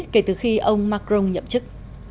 kể từ khi ông macron nhậm chức